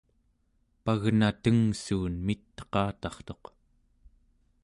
pagna tengssuun mit'eqatartuq